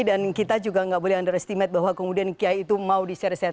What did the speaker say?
dan kita juga gak boleh underestimate bahwa kemudian kiai itu mau disereset